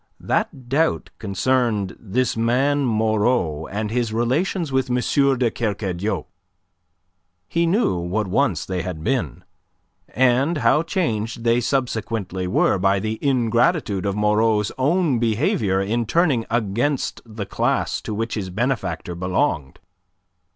That doubt concerned this man Moreau and his relations with M. de Kercadiou. He knew what once they had been, and how changed they subsequently were by the ingratitude of Moreau's own behavior in turning against the class to which his benefactor belonged.